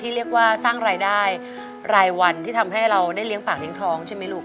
เรียกว่าสร้างรายได้รายวันที่ทำให้เราได้เลี้ยงปากเลี้ยงท้องใช่ไหมลูก